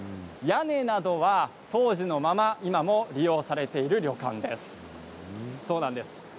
屋根などは当時のまま今も利用されている旅館です。